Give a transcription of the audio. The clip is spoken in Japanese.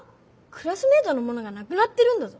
クラスメートのものがなくなってるんだぞ。